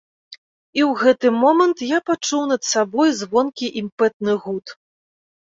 І ў гэты момант я пачуў над сабой звонкі імпэтны гуд.